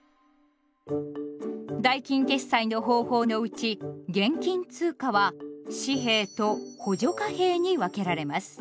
代金決済の方法のうち現金通貨は「紙幣」と「補助貨幣」に分けられます。